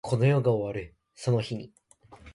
この世が終わるその日に